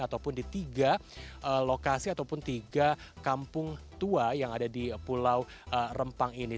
ataupun di tiga lokasi ataupun tiga kampung tua yang ada di pulau rempang ini